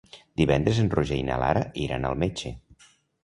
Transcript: Divendres en Roger i na Lara iran al metge.